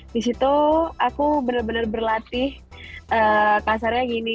disitu aku bener bener berlatih kasarnya gini